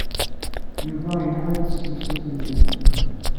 Yuba yelha-d s temsalt-nni.